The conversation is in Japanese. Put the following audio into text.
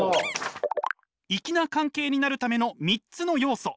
いきな関係になるための３つの要素。